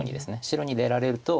白に出られると。